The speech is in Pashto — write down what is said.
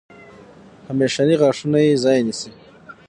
همیشني غاښونه یې ځای نیسي.